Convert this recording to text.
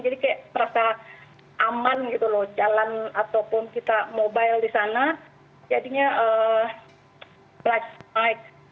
jadi kayak merasa aman gitu loh jalan ataupun kita mobile di sana jadinya bright light